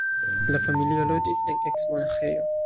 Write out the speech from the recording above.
La familio loĝis en eks-monaĥejo.